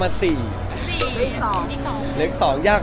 อ๋อน้องมีหลายคน